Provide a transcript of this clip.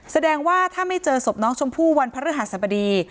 แสดงว่าถ้าไม่เจอศพน้องชมพู่วันพระฤหัสบดี